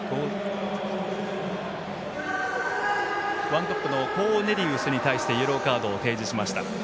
ワントップのコーネリウスに対しイエローカードを提示しました。